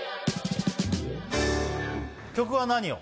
曲は何を？